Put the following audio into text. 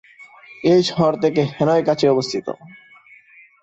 এই শহর থেকে হ্যানয় কাছেই অবস্থিত।